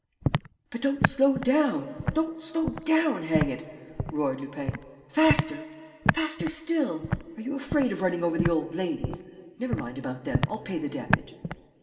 "But don't slow down, don't slow down, hang it!" roared Lupin. "Faster! ... Faster still! Are you afraid of running over the old ladies? Never mind about them! I'll pay the damage!"